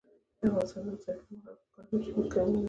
د افغانستان د اقتصادي پرمختګ لپاره پکار ده چې محکمه وي.